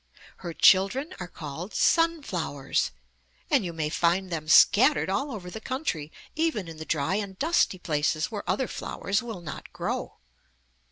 Her children are called sunflowers, and you may find them scattered all over the country, even in the dry and dusty places where other flowers will not grow.